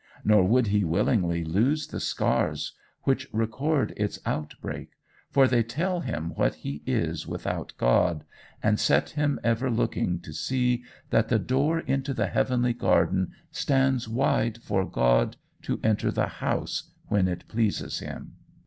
Nor would he willingly lose the scars which record its outbreak, for they tell him what he is without God, and set him ever looking to see that the door into the heavenly garden stands wide for God to enter the house when it pleases him.